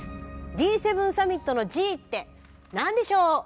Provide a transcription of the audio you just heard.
Ｇ７サミットのＧって何でしょう？